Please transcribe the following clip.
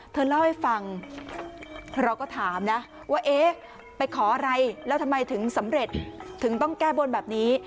เธอเล่าให้ฟังเราก็ถามนะว่าเอ๊ะไปขออะไรแล้วทำไมถึงสำเร็จถึงต้องแก้บนแบบนี้